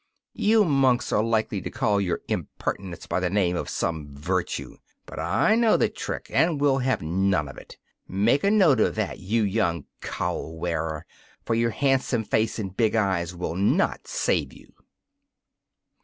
You monks are likely to call your impertinence by the name of some virtue; but I know the trick, and will have none of it. Make a note of that, you young cowl=wearer, for your handsome face and big eyes will not save you.